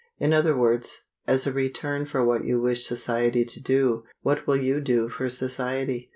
In other words, as a return for what you wish society to do, what will you do for society?